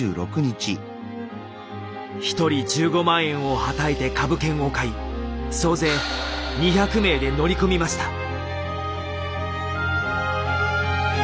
１人１５万円をはたいて株券を買い総勢２００名で乗り込みました。